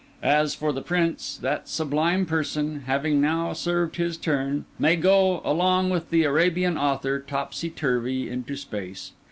As for the Prince, that sublime person, having now served his turn, may go, along with the Arabian Author, topsy turvy into space.